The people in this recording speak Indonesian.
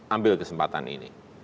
ambil kesempatan ini